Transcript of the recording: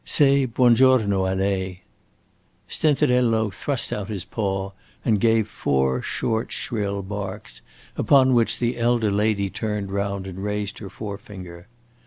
"Say buon giorno a lei." Stenterello thrust out his paw and gave four short, shrill barks; upon which the elder lady turned round and raised her forefinger.